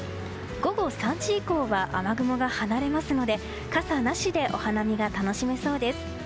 午後３時以降は雨雲が離れますので傘なしでお花見が楽しめそうです。